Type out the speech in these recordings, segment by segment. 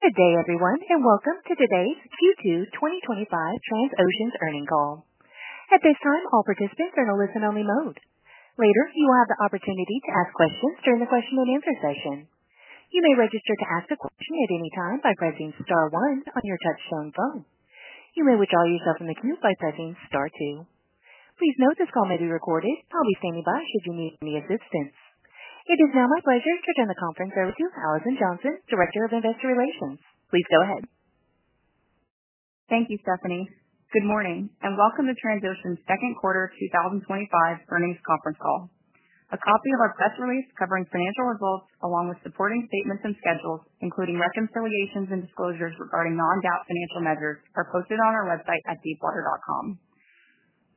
Okay, everyone, and welcome to today's Q2 2025 Transocean Earnings Call. At this time, all participants are in a listen-only mode. Later, you will have the opportunity to ask questions during the question-and-answer session. You may register to ask a question at any time by pressing star one on your touch-tone phone. You may withdraw yourself from the queue by pressing star two. Please note this call may be recorded, and I'll be standing by if you need any assistance. It is now my pleasure to turn the conference over to Alison Johnson, Director of Investor Relations. Please go ahead. Thank you, Stephanie. Good morning, and welcome to Transocean's Second Quarter of 2025 Earnings Conference Call. A copy of our press release covering financial results, along with supporting statements and schedules, including reference delegations and disclosures regarding non-GAAP financial measures, are posted on our website at deepwater.com.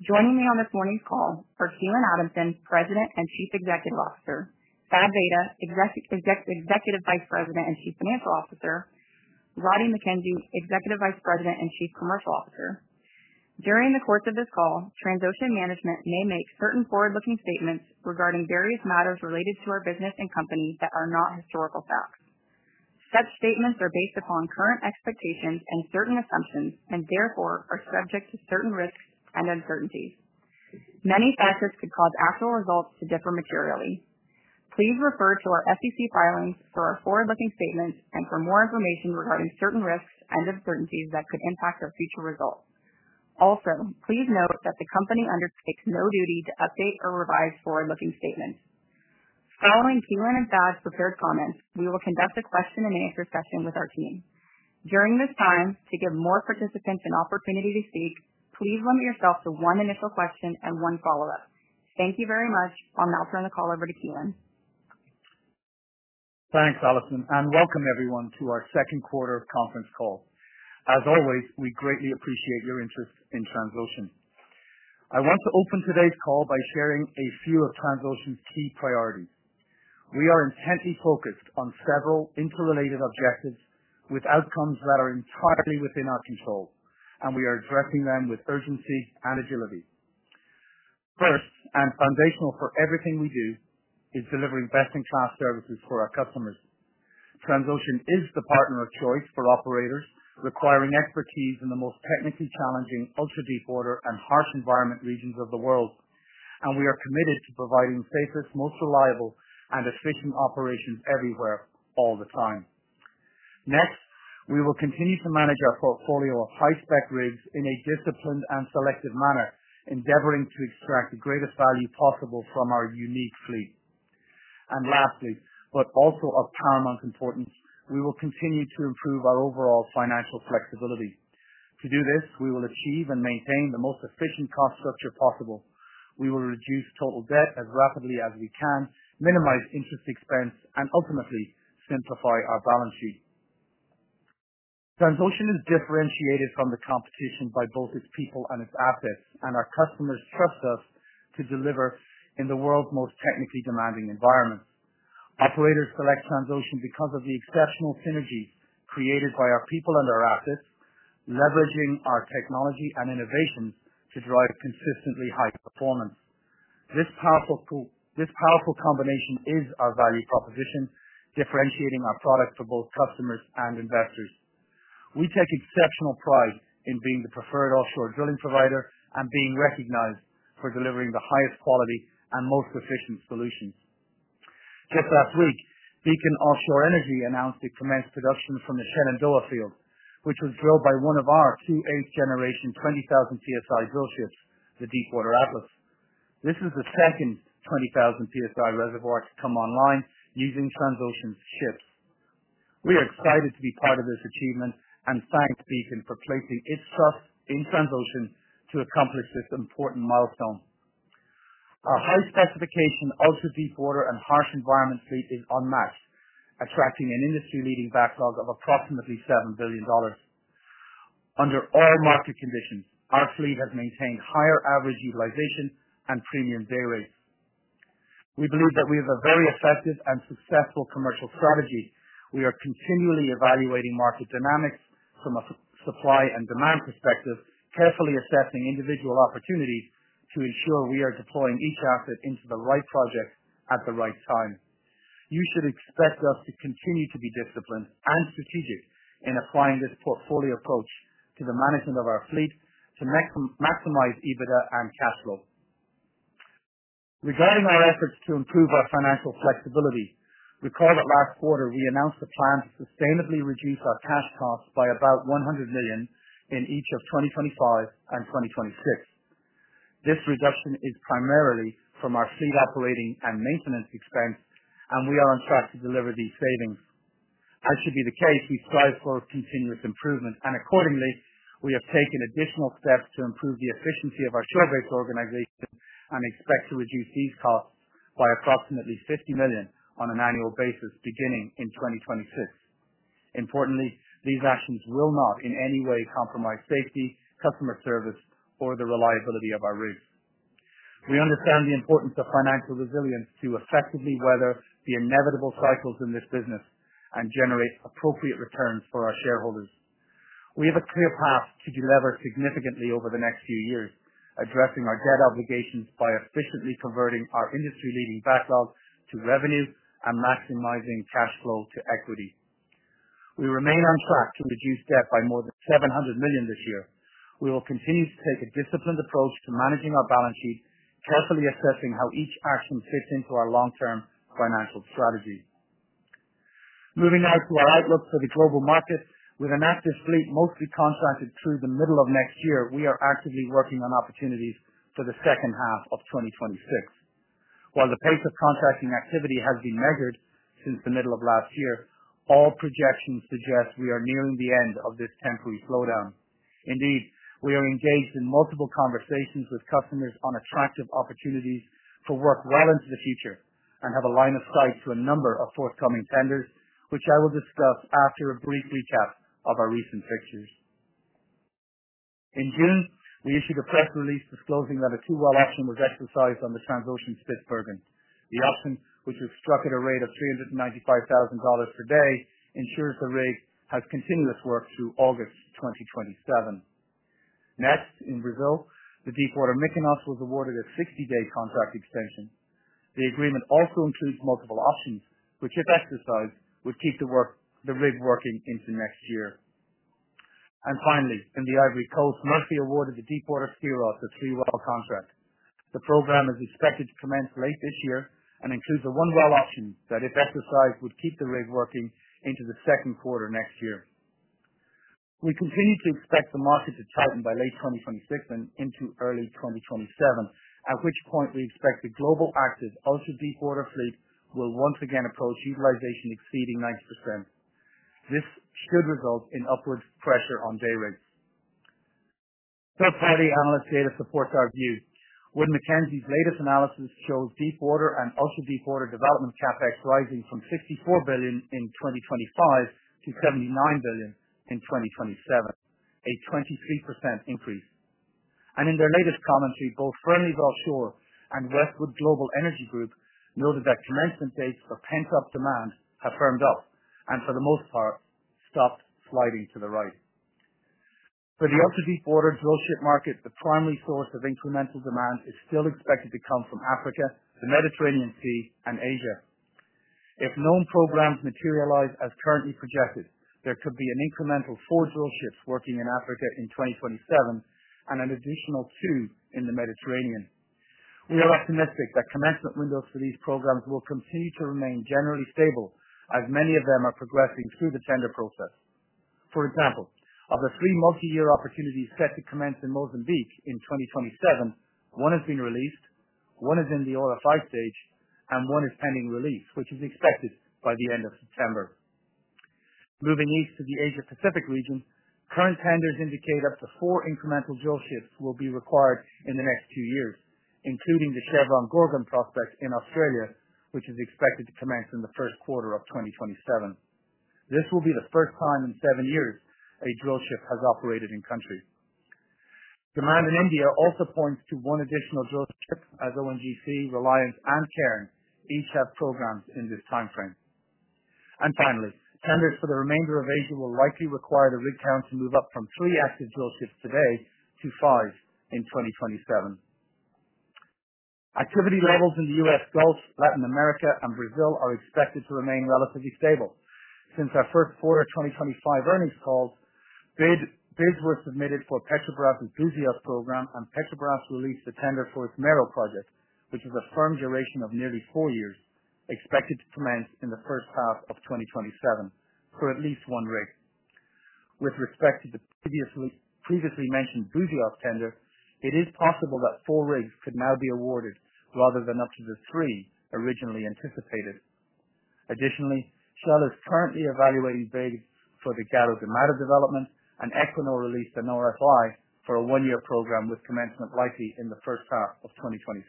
Joining me on this morning's call are Keelan Adamson, President and Chief Executive Officer; Thad Vayda, Executive Vice President and Chief Financial Officer; Roddie Mackenzie, Executive Vice President and Chief Commercial Officer. During the course of this call, Transocean Ltd. management may make certain forward-looking statements regarding various matters related to our business and company that are not historical facts. Such statements are based upon current expectations and certain assumptions, and therefore are subject to certain risks and uncertainties. Many factors could cause actual results to differ materially. Please refer to our SEC filings for our forward-looking statements and for more information regarding certain risks and uncertainties that could impact our future results. Also, please note that the company undertakes no duty to update or revise forward-looking statements. Following Keelan and Thad's prepared comments, we will conduct a question-and-answer session with our team. During this time, to give more participants an opportunity to speak, please limit yourself to one initial question and one follow-up. Thank you very much. I'll now turn the call over to Keelan. Thanks, Alison, and welcome everyone to our second quarter conference call. As always, we greatly appreciate your interest in Transocean. I want to open today's call by sharing a few of Transocean's key priorities. We are intently focused on several interrelated objectives with outcomes that are entirely within our control, and we are addressing them with urgency and agility. First, and foundational for everything we do, is delivering best-in-class services for our customers. Transocean is the partner of choice for operators requiring expertise in the most technically challenging, ultra-deepwater, and harsh environment regions of the world, and we are committed to providing the safest, most reliable, and efficient operations everywhere, all the time. Next, we will continue to manage our portfolio of high-spec rigs in a disciplined and selective manner, endeavoring to extract the greatest value possible from our unique fleet. Lastly, but also of paramount importance, we will continue to improve our overall financial flexibility. To do this, we will achieve and maintain the most efficient cost structure possible. We will reduce total debt as rapidly as we can, minimize interest expense, and ultimately simplify our balance sheet. Transocean is differentiated from the competition by both its people and its assets, and our customers trust us to deliver in the world's most technically demanding environments. Operators select Transocean because of the exceptional synergies created by our people and our assets, leveraging our technology and innovations to drive consistently high performance. This powerful combination is our value proposition, differentiating our product for both customers and investors. We take exceptional pride in being the preferred offshore drilling provider and being recognized for delivering the highest quality and most efficient solutions. Just last week, Beacon Offshore Energy announced a tremendous production from the Shenandoah field, which was drilled by one of our 2H generation 20,000 PSI drillships, the Deepwater Atlas. This is the second 20,000 PSI reservoir to come online using Transocean's ships. We are excited to be part of this achievement and thank Beacon for placing its trust in Transocean Ltd. to accomplish this important milestone. Our high specification, ultra-deepwater, and harsh environment fleet is unmatched, attracting an industry-leading backlog of approximately $7 billion. Under all market conditions, our fleet has maintained higher average utilization and premium day rates. We believe that we have a very effective and successful commercial strategy. We are continually evaluating market dynamics from a supply and demand perspective, carefully assessing individual opportunities to ensure we are deploying each asset into the right project at the right time. You should expect us to continue to be disciplined and strategic in applying this portfolio approach to the management of our fleet to maximize EBITDA and cash flow. Regarding our efforts to improve our financial flexibility, recall that last quarter we announced a plan to sustainably reduce our cash costs by about $100 million in each of 2025 and 2026. This reduction is primarily from our fleet operating and maintenance expense, and we are on track to deliver these savings. As to be the case, we strive for continuous improvement, and accordingly, we have taken additional steps to improve the efficiency of our shore base organization and expect to reduce these costs by approximately $50 million on an annual basis beginning in 2026. Importantly, these actions will not in any way compromise safety, customer service, or the reliability of our rigs. We understand the importance of financial resilience to effectively weather the inevitable cycles in this business and generate appropriate returns for our shareholders. We have a clear path to deliver significantly over the next few years, addressing our debt obligations by efficiently converting our industry-leading backlog to revenue and maximizing cash flow to equity. We remain on track to reduce debt by more than $700 million this year. We will continue to take a disciplined approach to managing our balance sheet, carefully assessing how each action fits into our long-term financial strategy. Moving now to our outlook for the global markets, with an active fleet mostly contracted through the middle of next year, we are actively working on opportunities for the second half of 2026. While the pace of contracting activity has been measured since the middle of last year, all projections suggest we are nearing the end of this temporary slowdown. Indeed, we are engaged in multiple conversations with customers on attractive opportunities for work well into the future and have a line of sight to a number of forthcoming tenders, which I will discuss after a brief recap of our recent fixtures. In June, we issued a press release disclosing that a two-well option was exercised on the Transocean Spitsbergen. The option, which was struck at a rate of $395,000 per day, ensured the rig has continuous work through August 2027. Next, in Brazil, the Deepwater Mykonos was awarded a 60-day contract extension. The agreement also includes multiple options, which, if exercised, would keep the rig working into next year. Finally, in the Ivory Coast, Murphy awarded the Deepwater a three-well contract. The program is expected to commence late this year and includes a one-well option that, if exercised, would keep the rig working into the second quarter next year. We continue to expect the market to tighten by late 2026 and into early 2027, at which point we expect the global active ultra-deepwater fleet will once again approach utilization exceeding 90%. This could result in upward pressure on day rates. Transparently, analysts here support our views. When Mackenzie's latest analysis shows deepwater and ultra-deepwater development CapEx rising from $64 billion in 2025 to $79 billion in 2027, a 23% increase. In their latest commentary, both Fearnely's offshore and Westwood Global Energy Group noted that commencement dates for pent-up demand have firmed up and, for the most part, stopped sliding to the right. For the ultra-deepwater drillship markets, the primary source of incremental demand is still expected to come from Africa, the Mediterranean, and Asia. If known programs materialize as currently projected, there could be an incremental four drillships working in Africa in 2027 and an additional two in the Mediterranean. We are optimistic that commencement windows for these programs will continue to remain generally stable as many of them are progressing through the tender process. For example, of the three multi-year opportunities set to commence in Mozambique in 2027, one has been released, one is in the RFI stage, and one is pending release, which is expected by the end of September. Moving East to the Asia-Pacific region, current tenders indicate up to four incremental drillships will be required in the next two years, including the Chevron Gorgon prospect in Australia, which is expected to commence in the first quarter of 2027. This will be the first time in seven years a drillship has operated in these countries. Demand in India also points to one additional drillship as ONGC, Reliance, and Saran each have programs in this timeframe. Finally, tenders for the remainder of Asia will likely require the rig count to move up from three active drillships today to five in 2027. Activity levels in the U.S. Gulf, Latin America, and Brazil are expected to remain relatively stable. Since our first quarter 2025 earnings call, bids were submitted for Petrobras' Enthusiast program, and Petrobras released a tender for its Merrell project, which is a firm duration of nearly four years, expected to commence in the first half of 2027 for at least one rig. With respect to the previously mentioned Enthusiast tender, it is possible that four rigs could now be awarded rather than up to the three originally anticipated. Additionally, Shell is currently evaluating bids for the Gallo D'Amato development, and Equinor released an RFI for a one-year program with commencement likely in the first half of 2026.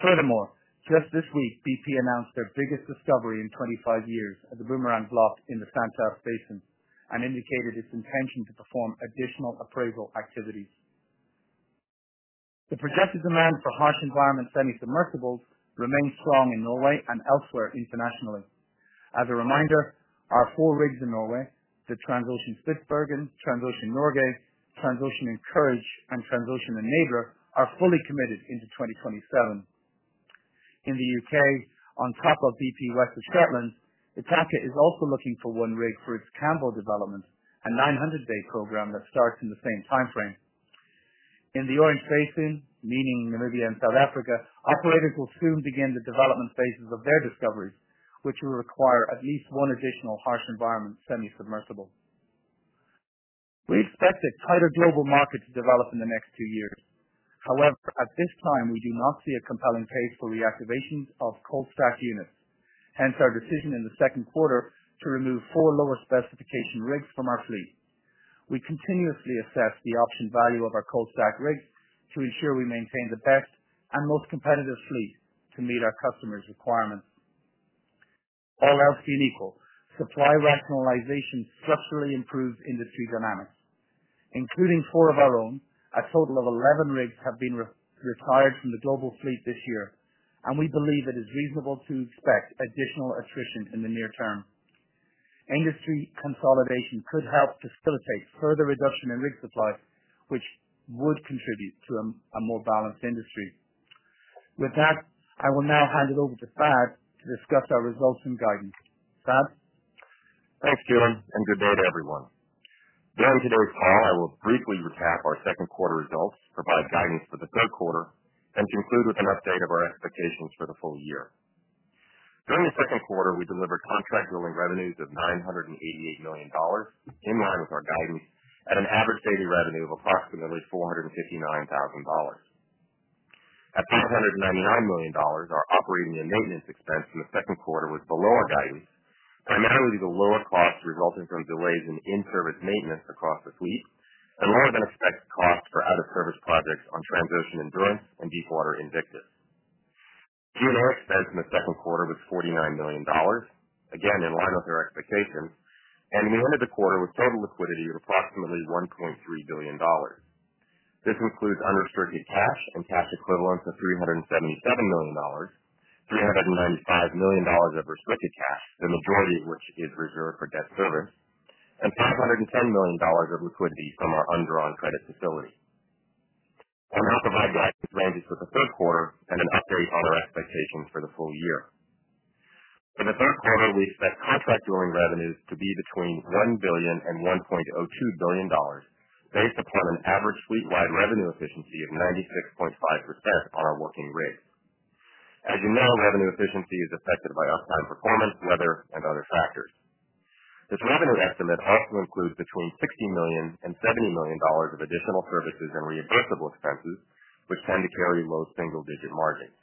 Furthermore, just this week, BP announced their biggest discovery in 25 years at the Boomerang Block in the Santos Basin and indicated its intention to perform additional appraisal activities. The progressive demand for harsh environment semi-submersibles remains strong in Norway and elsewhere internationally. As a reminder, our four rigs in Norway, the Transocean Spitsbergen, Transocean Norge, Transocean Encourage, and Transocean Enabler, are fully committed into 2027. In the U.K., on top of BP West of Shetland, the Itaka is also looking for one rig for its Campbell development, a 900-day program that starts in the same timeframe. In the Orient Basin, meaning Namibia and South Africa, operators will soon begin the development phases of their discoveries, which will require at least one additional harsh environment semi-submersible. We expect a tighter global market to develop in the next two years. However, at this time, we do not see a compelling case for reactivations of cold-stacked units. Hence our decision in the second quarter to remove four lower specification rigs from our fleet. We continuously assess the option value of our cold-stacked rigs to ensure we maintain the best and most competitive fleet to meet our customers' requirements. All else being equal, supply rationalization subsequently improves industry dynamics. Including four of our own, a total of 11 rigs have been retired from the global fleet this year, and we believe it is reasonable to expect additional attrition in the near term. Industry consolidation could help facilitate further reduction in rig supplies, which would contribute to a more balanced industry. With that, I will now hand it over to Thad to discuss our results and guidance. Thad? Thanks, Keelan, and good day to everyone. During today's call, I will briefly recap our second quarter results, provide guidance for the third quarter, and conclude with an update of our expectations for the full year. During the second quarter, we delivered contract drilling revenues of $988 million, in line with our guidance, at an average day rate of approximately $459,000. At $499 million, our operating and maintenance expense in the second quarter was below our guidance, primarily due to lower costs resulting from delays in in-service maintenance across the fleet and lower than expected costs for other service projects on Transocean Endurance and Deepwater Invictus. The G&A expense in the second quarter was $49 million, again in line with our expectations, and we ended the quarter with total liquidity of approximately $1.3 billion. This includes unrestricted cash and cash equivalents of $377 million, $395 million of restricted cash, the majority of which is reserved for guest service, and $510 million of liquidity from our undrawn credit facility. Our relative outlook ranges for the third quarter and an update on our expectations for the full year. In the third quarter, we expect contract drilling revenues to be between $1 billion and $1.02 billion, based upon an average fleet-wide revenue efficiency of 96.5% on our working rig. As you know, revenue efficiency is affected by uptime performance, weather, and other factors. This revenue estimate also includes between $60 million and $70 million of additional services and reimbursable expenses, which tend to carry low single-digit margins.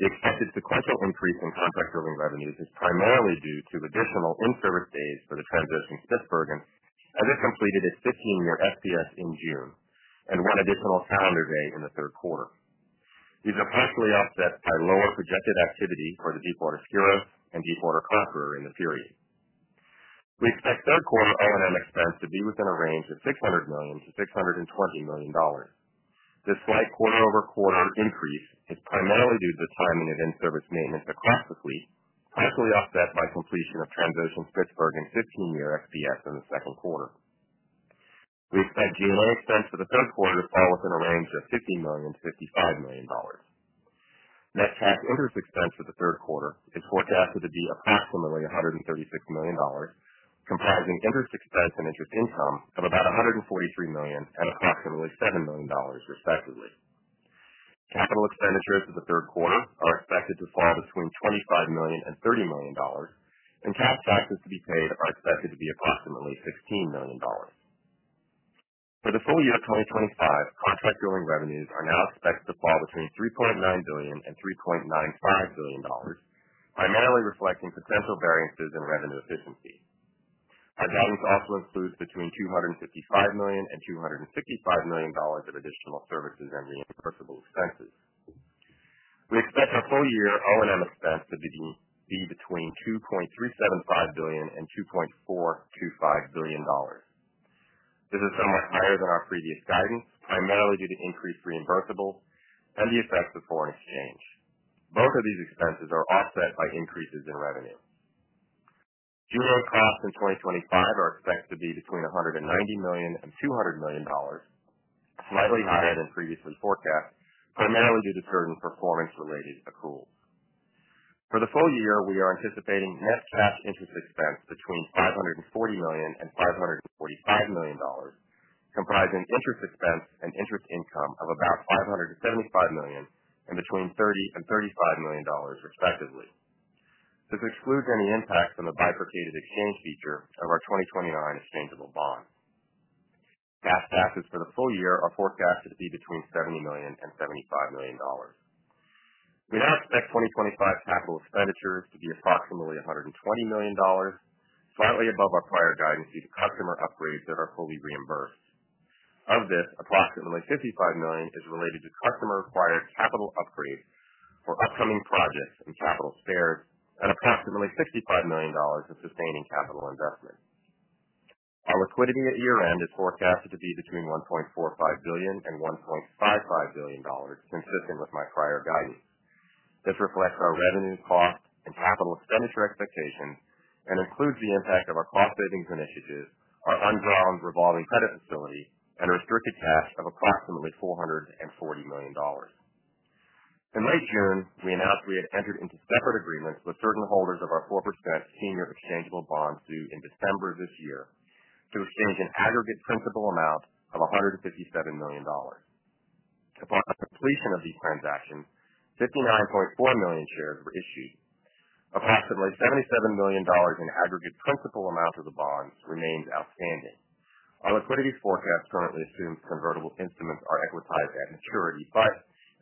The expected sequential increase in contract drilling revenues is primarily due to additional in-service days for the Transocean Spitsbergen, as it completed its 15-year SPS in June and one additional calendar day in the third quarter. These are partially offset by lower projected activity for the Deepwater Skiros and Deepwater Conqueror in the period. We expect third-quarter operating and maintenance expense to be within a range of $600 million-$620 million. This slight quarter-over-quarter increase is primarily due to the timing of in-service maintenance across the fleet, partially offset by completion of Transocean Spitsbergen's 15-year SPS in the second quarter. We expect G&A expense for the third quarter to fall within a range of $50 million-$55 million. Net cash interest expense for the third quarter is forecasted to be approximately $136 million, comprising interest expense and interest income of about $143 million and approximately $7 million, respectively. Capital expenditures for the third quarter are expected to fall between $25 million and $30 million, and cash taxes to be paid are expected to be approximately $15 million. For the full year of 2025, contract drilling revenues are now expected to fall between $3.9 billion and $3.95 billion, primarily reflecting potential variances in revenue efficiency. Our guidance also includes between $255 million and $255 million of additional services and reimbursable expenses. We expect our full year R&M expense to be between $2.375 billion and $2.425 billion. This is somewhat higher than our previous guidance, primarily due to increased reimbursable and the effects of foreign exchange. Both of these expenses are offset by increases in revenue. [G&A] costs in 2025 are expected to be between $190 million and $200 million, slightly higher than previously forecast, primarily due to certain performance-related accruals. For the full year, we are anticipating net cash interest expense between $540 million and $545 million, comprising interest expense and interest income of about $575 million and between $30 million and $35 million, respectively. This excludes any impact from a bifurcated exchange feature of our 2029 exchangeable bond. Cash taxes for the full year are forecasted to be between $70 million and $75 million. We now expect 2025's capital expenditures to be approximately $120 million, slightly above our prior guidance due to customer upgrades that are fully reimbursed. Of this, approximately $55 million is related to customer requirements capital upgrade for upcoming projects and capital spared, at approximately $65 million of sustaining capital investment. Our liquidity at year-end is forecasted to be between $1.45 billion and $1.55 billion, consistent with my prior guidance. This reflects our revenue, cost, and capital expenditure expectations and includes the impact of our cost savings initiatives, our undrawn revolving credit facility, and a restricted cash of approximately $440 million. In late June, we announced we had entered into separate agreements with certain holders of our 4% senior exchangeable bonds due in December of this year, to exchange an aggregate principal amount of $157 million. Upon completion of these transactions, 59.4 million shares were issued. Approximately $77 million in aggregate principal amount of the bonds remains outstanding. Our liquidity forecast currently assumes convertible instruments are equitized at maturity, but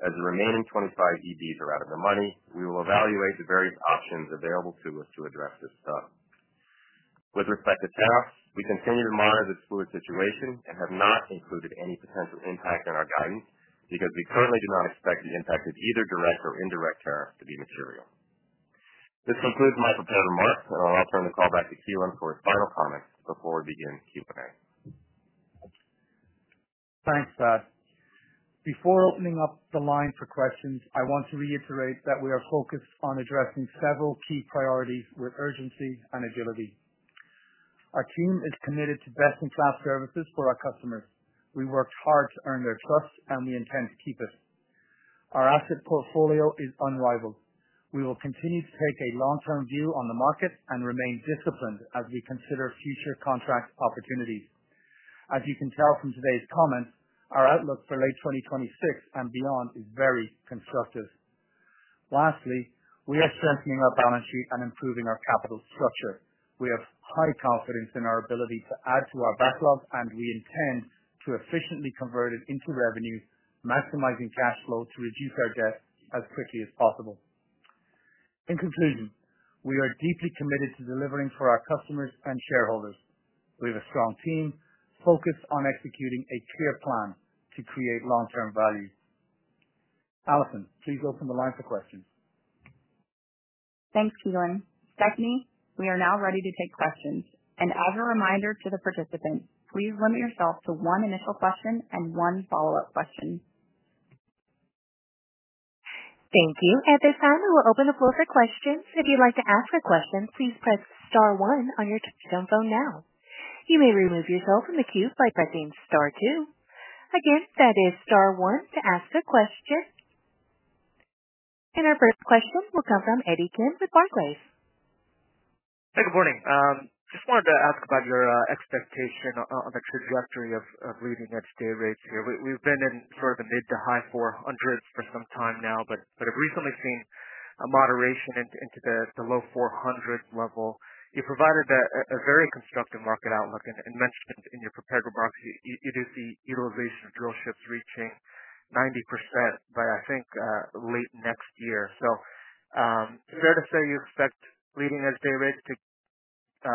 as the remaining 25 EVs are out of the money, we will evaluate the various options available to us to address this stub. With respect to tariffs, we continue to monitor this fluid situation and have not included any potential impact in our guidance because we currently do not expect the impact of either direct or indirect tariffs to be material. This concludes my prepared remarks, and I'll now turn the call back to Keelan for his final comments before we begin Q3. Thanks, Thad. Before opening up the line for questions, I want to reiterate that we are focused on addressing several key priorities with urgency and agility. Our team is committed to best-in-class services for our customers. We worked hard to earn their trust, and we intend to keep it. Our asset portfolio is unrivaled. We will continue to take a long-term view on the market and remain disciplined as we consider future contract opportunities. As you can tell from today's comments, our outlook for late 2026 and beyond is very constructive. Lastly, we are strengthening our balance sheet and improving our capital structure. We have high confidence in our ability to add to our backlog, and we intend to efficiently convert it into revenues, maximizing cash flow to reduce our debt as quickly as possible. In conclusion, we are deeply committed to delivering for our customers and shareholders. We have a strong team focused on executing a clear plan to create long-term value. Alison, please open the line for questions. Thanks, Keelan. Stephanie, we are now ready to take questions. As a reminder to the participants, please limit yourself to one initial question and one follow-up question. Thank you. At this time, we will open the floor for questions. If you'd like to ask a question, please press star one on your touch-tone phone now. You may remove yourself from the queue by pressing star two. Again, that is star one to ask a question. Our first question will come from Eddie Kim with Barclays. Hey, good morning. Just wanted to ask about your expectation on the trajectory of leading edge day rates here. We've been in sort of the mid-to-high $400,000s for some time now, but have recently seen a moderation into the low $400,000s level. You provided a very constructive market outlook and mentioned it in your prepared remarks. You do see utilization of drillships reaching 90% by, I think, late next year. Is it fair to say you expect leading edge day rates to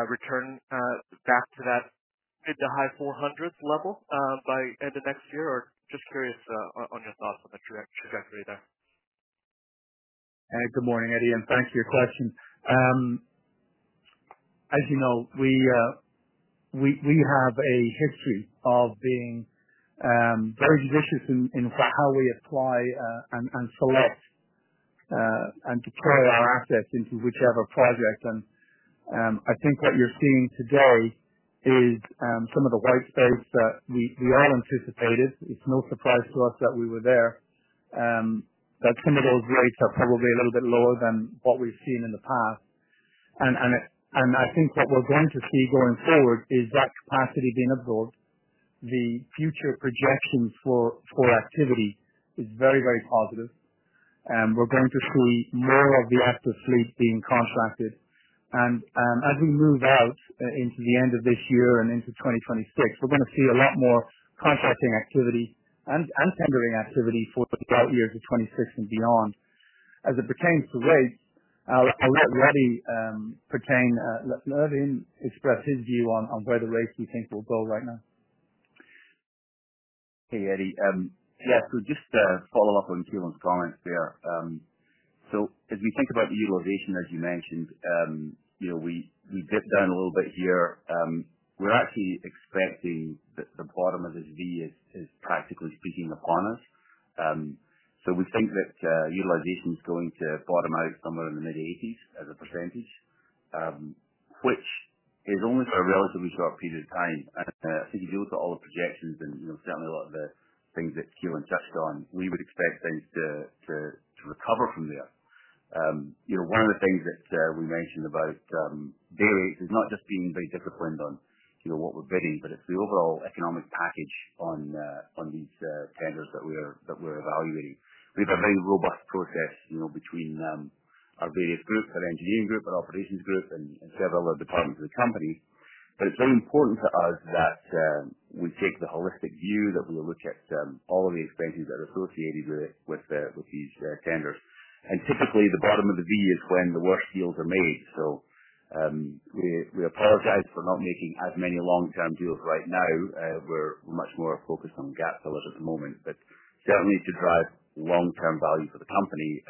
return back to that mid-to-high $400,000s level by the end of next year? Just curious on your thoughts on the trajectory there. Hey, good morning, Eddie, and thanks for your question. As you know, we have a history of being very judicious in how we apply and select and deploy our assets into whichever project. I think what you're seeing today is some of the white space that we are anticipating. It's no surprise to us that we were there. That's because those rates are probably a little bit lower than what we've seen in the past. I think that what we're going to see going forward is that capacity being absorbed. The future projections for activity are very, very positive. We're going to see more of the asset fleet being contracted. As we move out into the end of this year and into 2026, we're going to see a lot more contracting activity and tendering activity for the out years of 2026 and beyond. As it pertains to rates, Alison, would that really pertain? I'll let Roddie express his view on where the rates do you think will go right now. Hey, Eddie. Yeah, just to follow up on Keelan's comments there. As we think about the utilization, as you mentioned, you know we dip down a little bit here. We're actually expecting that the bottom of this V is practically speaking upon us. We think that utilization is going to bottom out somewhere in the mid-80s as a percentage, which is only for a relatively short period of time. I think if you look at all the projections and certainly a lot of the things that Keelan touched on, we would expect things to recover from there. One of the things that we mentioned about day rates is not just being very disciplined on what we're bidding, but it's the overall economic package on these tenders that we're evaluating. We have a very robust process between our various groups, our engineering group, our operations group, and several other departments of the company. It's very important to us that we take the holistic view that we will look at all of the expenses that are associated with these tenders. Typically, the bottom of the V is when the worst deals are made. We apologize for not making as many long-term deals right now. We're much more focused on gas fillers at the moment. Certainly, to drive long-term value for the company,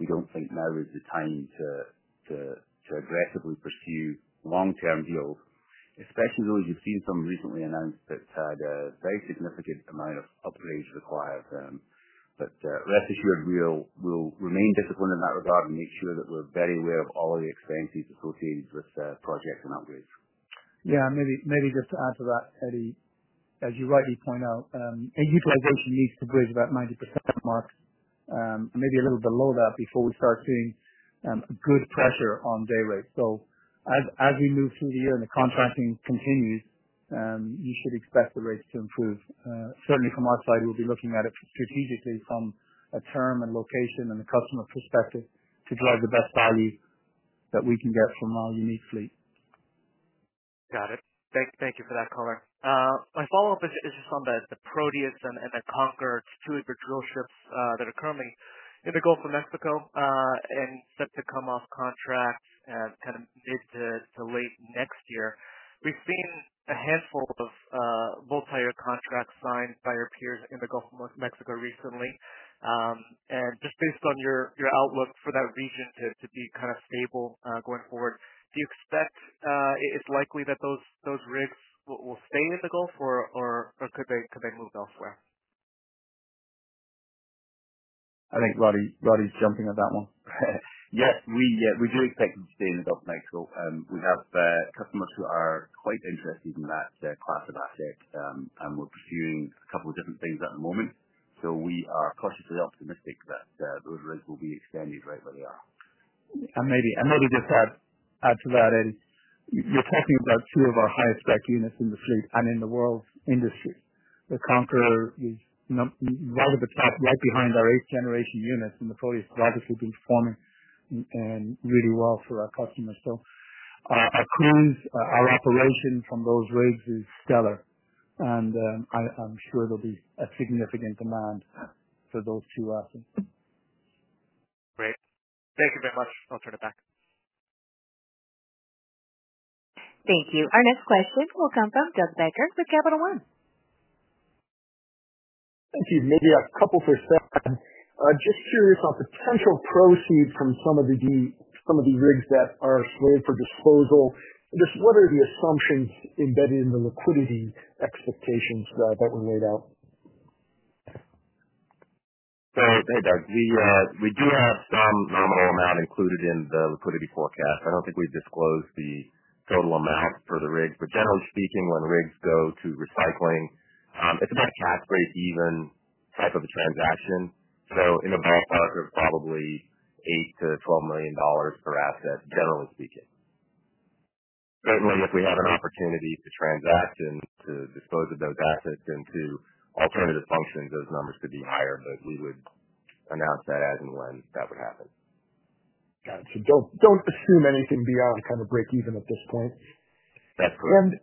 we don't think now is the time to aggressively pursue long-term deals, especially though you've seen some recently announced that had a very significant amount of upgrades required. Rest assured, we'll remain disciplined in that regard and make sure that we're very aware of all of the expenses associated with projects and upgrades. Yeah, and maybe just to add to that, Eddie, as you rightly point out, any deposition needs to bridge about 90% mark, maybe a little below that before we start seeing a good pressure on day rates. As we move through the year and the contracting continues, you should expect the rates to improve. Certainly, from our side, we'll be looking at it strategically from a term and location and a customer perspective to drive the best value that we can get from our unique fleet. Got it. Thank you for that color. My follow-up is just on the Proteus and the Conqueror two of your drillships that are currently in the Gulf of Mexico and set to come off contracts kind of mid to late next year. We've seen a handful of multi-year contracts signed by your peers in the Gulf of Mexico recently. Based on your outlook for that region to be kind of stable going forward, do you expect it's likely that those rigs will stay in the Gulf, or could they move elsewhere? I think Roddie's jumping at that one. Yes, we do expect them to stay in the Gulf of Mexico. We have customers who are quite interested in that class of assets, and we're pursuing a couple of different things at the moment. We are cautiously optimistic that those rigs will be extended right where they are. Maybe just to add to that, Eddie, you're talking about two of our highest-spec units in the fleet and in the world industry. The Concord is not relevant, but it's not right behind our eighth-generation units, and the Proteus has obviously been performing really well for our customers. Our operations from those rigs are stellar, and I'm sure there'll be a significant demand for those two assets. Great, thank you very much. I'll turn it back. Thank you. Our next question will come from Doug Becker with Capital One. Excuse me, maybe a couple for a second. Just curious on potential proceeds from some of the rigs that are slated for disposal. What are the assumptions embedded in the liquidity expectations that were laid out? Thank you, Doug. We do have some nominal amount included in the liquidity forecast. I don't think we've disclosed the total amount for the rig. Generally speaking, when rigs go to recycling, it's about a cash-grade even type of a transaction, so probably $8 million-$12 million per asset, generally speaking. Certainly, if we have an opportunity to transact and to dispose of those assets into alternative functions, those numbers could be higher. We would announce that as and when that would happen. Got it. Don't assume anything beyond kind of break even at this point. That's correct.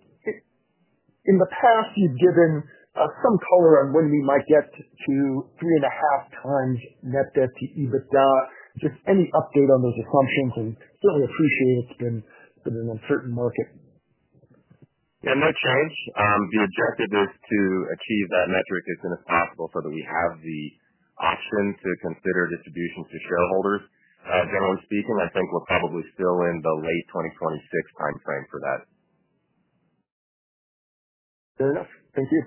In the past, you've given some color on when we might get to 3.5x net debt to EBITDA. Just any update on those assumptions? We certainly appreciate it's been an uncertain market. Yeah, no change. We've directed those to achieve that metric as soon as possible so that we have the option to consider distributions to shareholders. Generally speaking, I think we're probably still in the late 2026 timeframe for that. Fair enough. Thank you.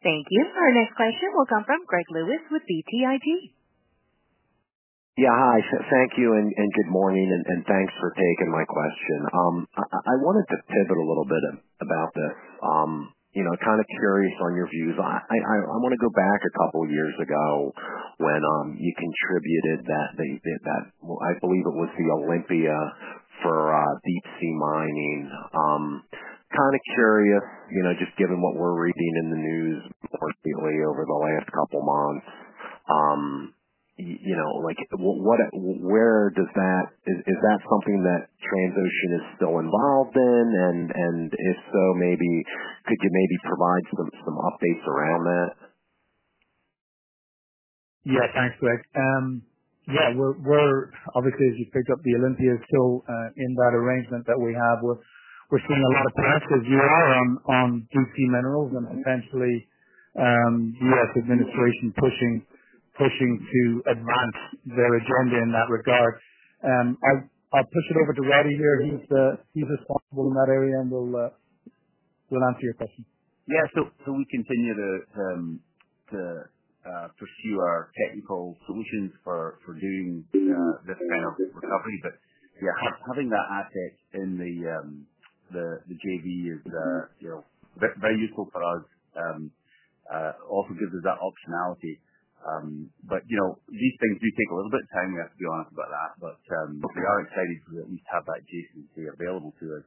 Thank you. Our next question will come from Greg Lewis with BTIG. Yeah, hi. Thank you and good morning, and thanks for taking my question. I wanted to pivot a little bit about this. Kind of curious on your views. I want to go back a couple of years ago when you contributed that, I believe it was the Olympia for deep-sea mining. Kind of curious, just given what we're reading in the news recently over the last couple of months, like where does that, is that something that Transocean is still involved in? If so, maybe could you provide some updates around that? Yeah, thanks, Greg. Yeah, we're obviously, as you picked up, the Olympia is still in that arrangement that we have with, we're seeing a little bit of, as you and I are on deep-sea minerals and potentially the U.S. administration pushing to advance their adrenaline in that regard. I'll put it over to Roddie here. He's responsible in that area, and we'll answer your question. Yeah, we continue to pursue our technical solutions for doing this kind of recovery. Having that asset in the joint venture is very useful for us. It also gives us that optionality. These things do take a little bit of time. We have to be honest about that. We are excited to at least have that adjacency available to us.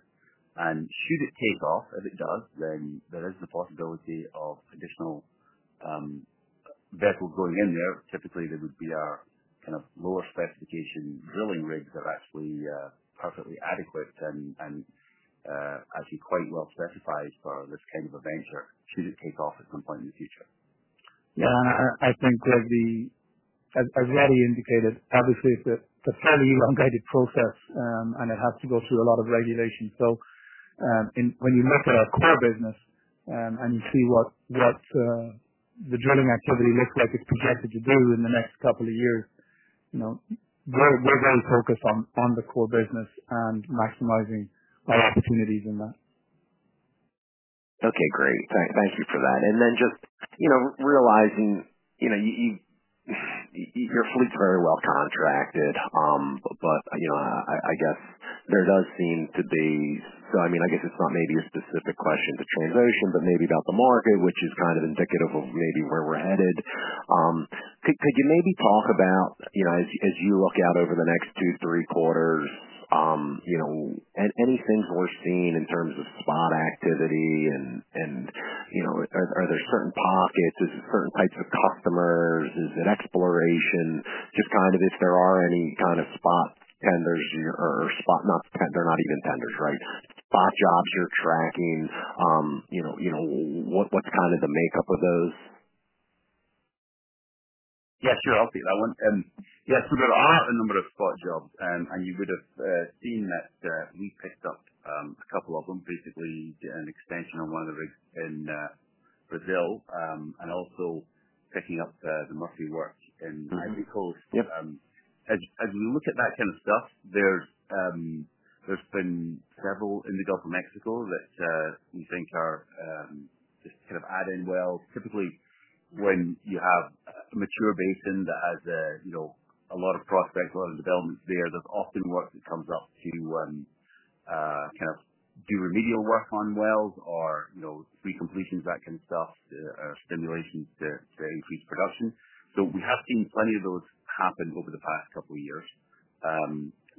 Should it take off, if it does, then there is the possibility of an additional vehicle going in there. Typically, they would be our kind of lower specification drilling rigs that are actually perfectly adequate and quite well specified for this kind of adventure should it take off at some point in the future. Yeah, I think as Roddie indicated, obviously, it's a fairly elongated process, and it has to go through a lot of regulations. When you look at our core business and you see what the drilling activity looks like it's projected to do in the next couple of years, we're very focused on the core business and maximizing our opportunities in that. Okay, great. Thank you for that. I guess there does seem to be, I mean, I guess it's not maybe a specific question to Transocean, but maybe about the market, which is kind of indicative of maybe where we're headed. Could you maybe talk about, as you look out over the next two to three quarters, anything we're seeing in terms of spot activity? Are there certain pockets? Is it certain types of customers? Is it exploration? Just kind of if there are any kind of spot tenders or spot, not spot, they're not even tenders, right? Spot jobs you're tracking, what's kind of the makeup of those? Yeah, sure. I'll take that one. There are a number of spot jobs, and you would have seen that we picked up a couple of them, basically an extension on one of the rigs in Brazil and also picking up the Murphy work in the Ivory Coast. As we look at that kind of stuff, there's been several in the Gulf of Mexico that we think are just kind of add-in wells. Typically, when you have a mature basin that has a lot of prospects, a lot of developments there, there's often work that comes up to do remedial work on wells or pre-completions, that kind of stuff, or stimulation to increase production. We have seen plenty of those happen over the past couple of years.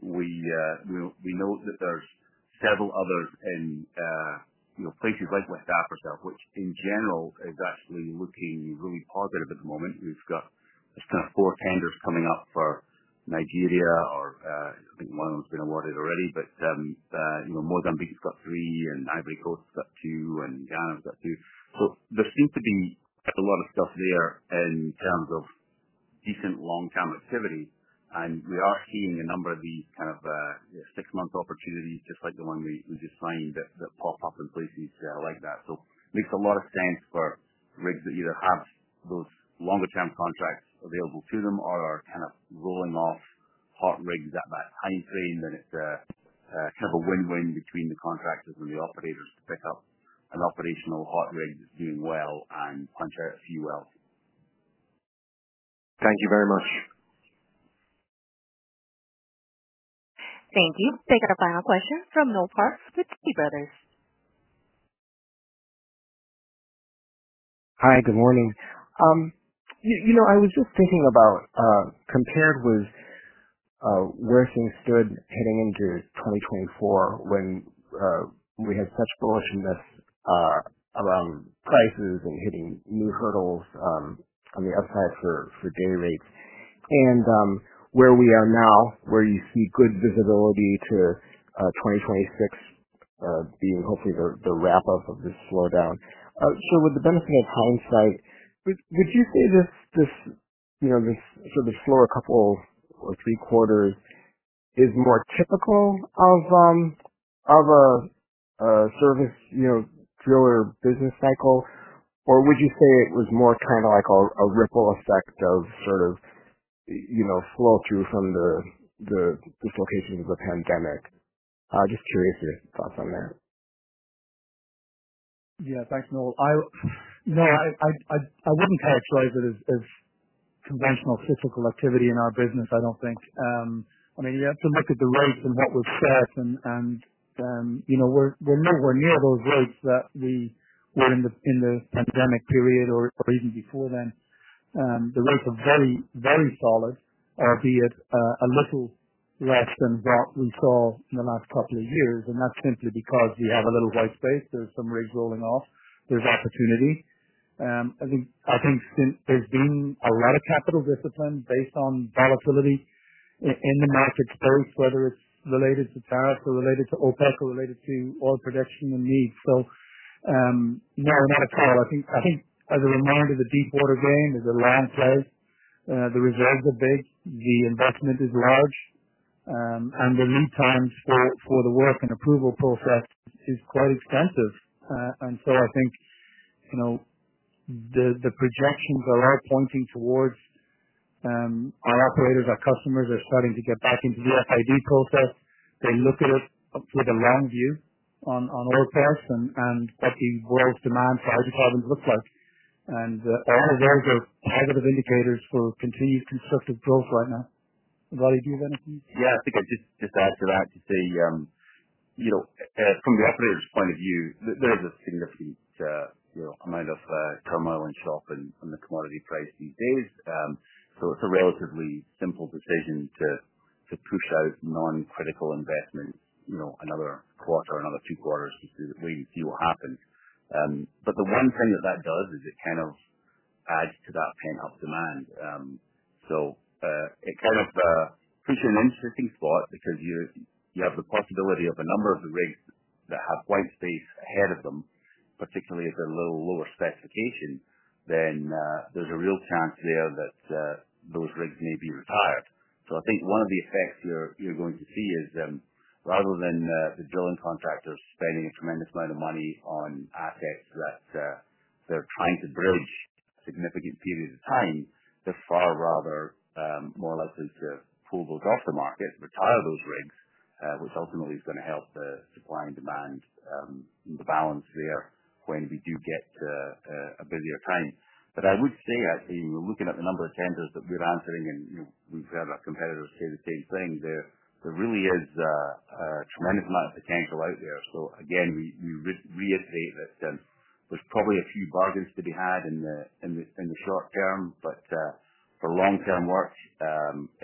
We know that there's several others in places like West Africa, which in general is actually looking really positive at the moment. We've got a set of four tenders coming up for Nigeria. I think one of them's been awarded already, but more than big it's got three, and Ivory Coast's got two, and Ghana's got two. There seems to be a lot of stuff there in terms of decent long-term activity. We are seeing a number of these kind of six-month opportunities, just like the one we just signed that pop up in places like that. It makes a lot of sense for rigs that either have those longer-term contracts available to them or are kind of rolling off hot rigs at that high train. It's a win-win between the contractors and the operators to pick up an operational hot rig that's doing well and contract few wells. Thank you very much. Thank you. Take our final question from Noel Parks with Tuohy Brothers. Hi, good morning. I was just thinking about compared with where things stood heading into 2024 when we had such bullishness around prices and hitting new hurdles on the upside for day rates, and where we are now, where you see good visibility to 2026, being hopefully the wrap-up of this slowdown. With the benefit of hindsight, would you say this sort of slower couple or three quarters is more typical of a service driller business cycle? Would you say it was more kind of like a ripple effect of flow-through from the dislocation of the pandemic? I'm just curious your thoughts on that. Yeah, thanks, Noel. No, I wouldn't characterize it as conventional cyclical activity in our business, I don't think. I mean, you have to look at the roads and look at the stats, and you know we're nowhere near those roads that we were in the pandemic period or even before then. The roads are very, very solid, albeit a little less than what we saw in the last couple of years. That's simply because we have a little white space. There's some rigs rolling off. There's opportunity. I think there's been a lot of capital discipline based on volatility in the market space, whether it's related to gas or related to OPEC or related to oil production and needs. No, I'm not a proud. I think as a reminder, the deepwater grain is a landslide. The reserves are big. The investment is large. The lead time for the work and approval process is quite extensive. I think the projections are all pointing towards our operators, our customers are starting to get back into the FID process. They look at it with a long view on oil tests and what the world's demand for hydrocarbons looks like. Those are positive indicators for continued constructive growth right now. Roddie, do you have anything? I think I'd just add to that to say, you know, from the operator's point of view, there's a significant amount of turmoil in shop and the commodity price these days. It's a relatively simple decision to push that as non-critical investment, you know, another quarter or another two quarters just to wait and see what happens. The one thing that does is it kind of adds to that pent-up demand. It's kind of a crucial non-sitting spot because you have the possibility of a number of the rigs that have white space ahead of them, particularly if they're a little lower specification, then there's a real chance there that those rigs may be retired. I think one of the effects you're going to see is rather than the drilling contractors spending a tremendous amount of money on assets that they're trying to bridge a significant period of time, they're far rather more likely to pull those off for markets, retire those rigs, which ultimately is going to help the supply and demand in the balance there when we do get a busier time. I would say that in looking at the number of tenders that we're answering and we've had our competitors say the same thing, there really is a tremendous amount of potential out there. Again, we reiterate that there's probably a few bargains to be had in the short-term. For long-term work,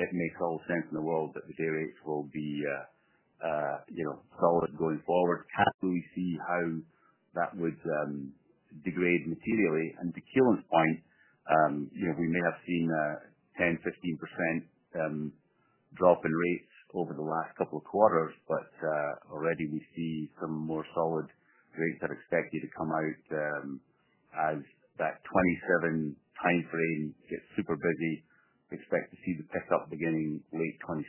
it makes all sense in the world that the day rates will be, you know, solid going forward. I don't really see how that would degrade materially. To Keelan's point, you know, we may have seen a 10%-15% drop in rates over the last couple of quarters, but already we see some more solid rates that expect you to come out as that 2027 timeframe. It's super busy. We expect to see the pickup beginning late 2026.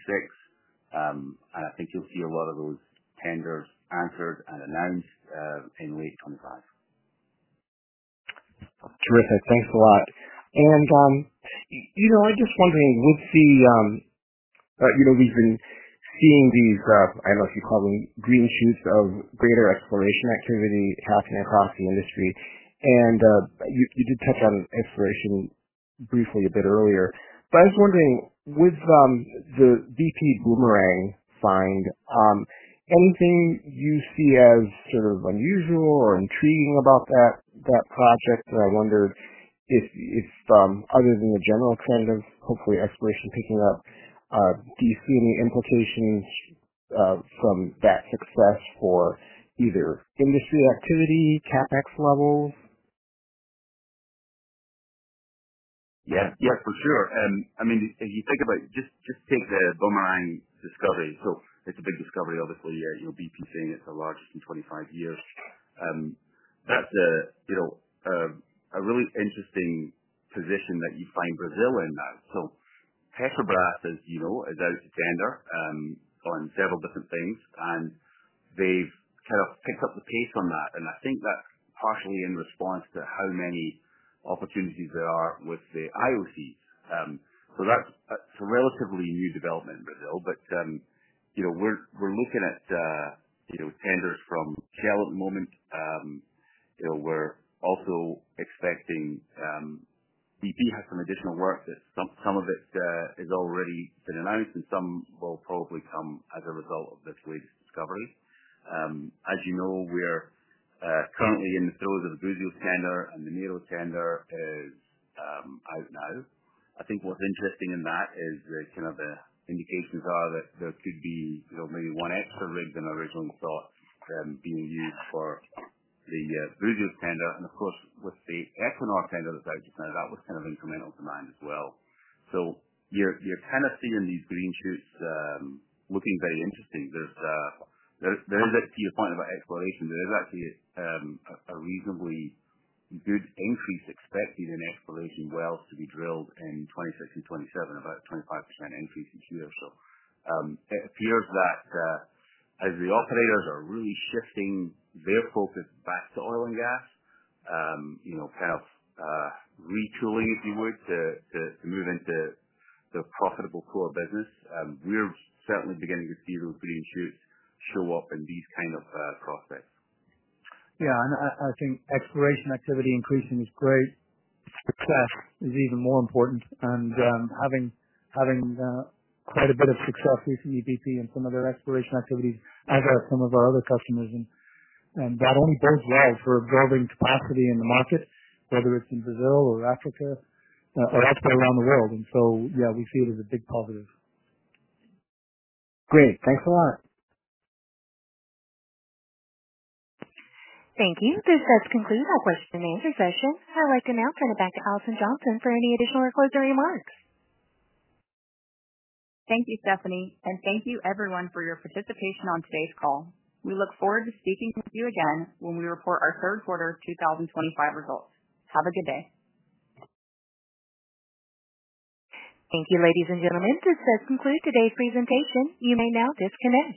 I think you'll see a lot of those tenders anchored and announced in late 2025. Terrific. Thanks a lot. I'm just wondering, we've been seeing these, I don't know if you call them green shoots of greater exploration activity happening across the industry. You did touch on exploration briefly a bit earlier. I was wondering, with the BP Boomerang signed, anything you see as sort of unusual or intriguing about that project? I wondered if, other than the general trend of hopefully exploration picking up, do you see any implications from that success for either industry activity or CapEx levels? Yeah, for sure. I mean, if you think about it, just take the Boomerang discovery. It's a big discovery over the whole year. You'll be seeing it's a large C25 year. That's a really interesting position that you find Brazil in now. Petrobras, as you know, is a tender on several different things, and they've kind of picked up the pace on that. I think that's partially in response to how many opportunities there are with the IOC. That's a relatively new development in Brazil. We're looking at tenders from KL at the moment. We're also expecting BP has some additional work that some of it has already been announced and some will probably come as a result of this latest discovery. As you know, we're currently in the phase of the Brazil tender, and the NATO tender is out now. I think what's interesting in that is the indications are that there could be maybe one extra rig than our original thought being used for the Brazil tender. Of course, with the Equinor tender that I just mentioned, that was incremental demand as well. You're seeing in these green shoots looking very interesting. To your point about exploration, there is actually a reasonably good increase expected in exploration wells to be drilled in 2026 and 2027, about a 25% increase each year. It appears that as the operators are really shifting their focus back to oil and gas, kind of retooling, if you would, to move into the profitable core business, we're certainly beginning to see those green shoots show up in these kind of prospects. Yeah, I think exploration activity increasing is great. Success is even more important. Having quite a bit of success recently, BP, and some of their exploration activities and some of our other customers, that only bears down for growing capacity in the market, whether it's in Brazil or Africa or out there around the world. We see it as a big positive. Great. Thanks a lot. Thank you. This does conclude our question-and-answer session. I'd like to now turn it back to Alison Johnson for any additional closing remarks. Thank you, Stephanie, and thank you everyone for your participation on today's call. We look forward to speaking with you again when we report our third quarter 2025 results. Have a good day. Thank you, ladies and gentlemen. This does conclude today's presentation. You may now disconnect.